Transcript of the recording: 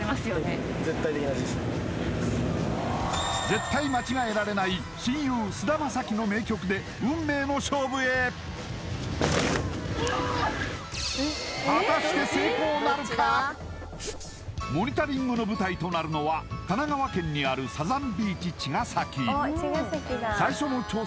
絶対間違えられない親友菅田将暉の名曲で運命の勝負へモニタリングの舞台となるのは神奈川県にあるサザンビーチちがさき